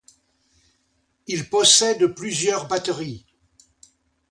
Il possède plusieurs batteries.